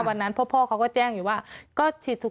เพราะพ่อเขาก็แจ้งอยู่ว่าก็